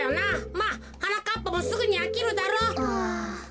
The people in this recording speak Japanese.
まあはなかっぱもすぐにあきるだろう。